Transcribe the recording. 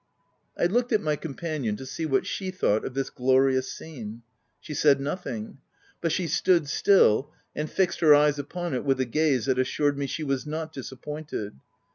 I looked at my companion to see what she thought of this glorious scene. She said nothing : but she stood still, and fixed her eyes upon it with a gaze that assured me she was not disappointed.